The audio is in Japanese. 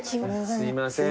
すみません！